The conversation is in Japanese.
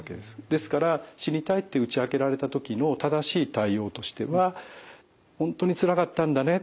ですから「死にたい」って打ち明けられた時の正しい対応としては「本当につらかったんだね。